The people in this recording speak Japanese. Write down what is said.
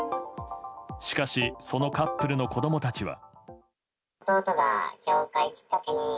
しかし、そのカップルの子供たちは。